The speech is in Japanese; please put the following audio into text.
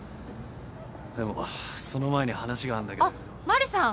でもその前に話があんだけどよ。